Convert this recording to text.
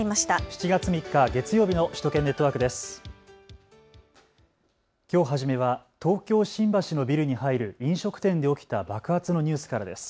７月３日、月曜日の首都圏ネットワークです。